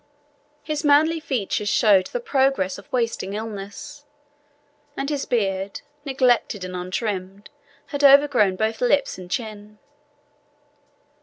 His manly features showed the progress of wasting illness, and his beard, neglected and untrimmed, had overgrown both lips and chin.